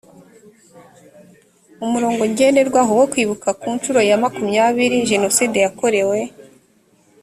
umurongo ngenderwaho wo kwibuka ku nshuro ya makumyabiri jenoside yakorewe